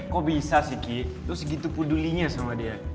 kok bisa sih ki terus segitu pedulinya sama dia